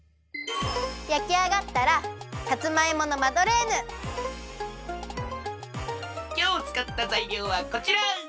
やきあがったらきょうつかったざいりょうはこちら！